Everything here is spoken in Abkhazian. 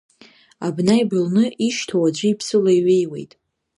Абна ибылны ишьҭоу аӡәы иԥсы леиҩеиуеит.